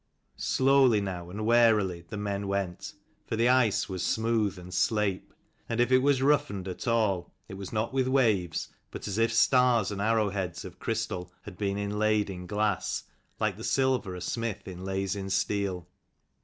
Slowly now and warily the men went, for the ice was smooth and slape; and if it was roughened at all, it was not with waves, but as if stars and arrow heads of crystal had been inlaid in glass, like the silver a smith inlays in steel.